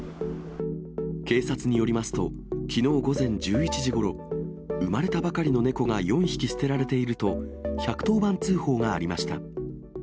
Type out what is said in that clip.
警察によりますと、きのう午前１１時ごろ、産まれたばかりの猫が４匹捨てられていると、１１０番通報がありました。